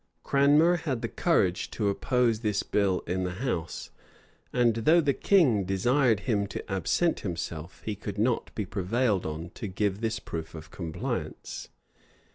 Cranmer had the courage to oppose this bill in the house; and though the king desired him to absent himself, he could not be prevailed on to give this proof of compliance.